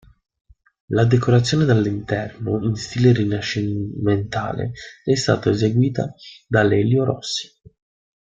La decorazione dell'interno, in stile rinascimentale, è stata eseguita da Lelio Rossi.